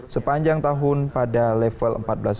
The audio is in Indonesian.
sepanjang tahun pada level empat belas dua ratus empat puluh tujuh